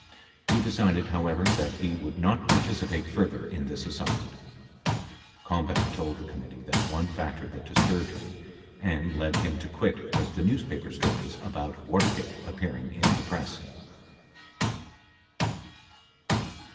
He decided, however, that he would not participate further in this assignment. 95 Kalmbach told the committee that one factor that disturbed him and led him to quit was the newspaper stories about Watergate appearing in the press.